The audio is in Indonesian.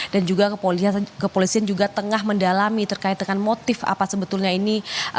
dan juga kepolisian juga tengah mendalami terkait dengan motif apa sebetulnya ini